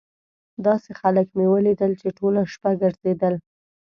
داسې خلک مې ولیدل چې ټوله شپه ګرځېدل.